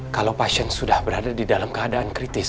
kalau pasien sudah berada di dalam keadaan kritis